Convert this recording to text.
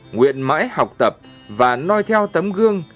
nguyện mãi học tập và noi theo tấm gương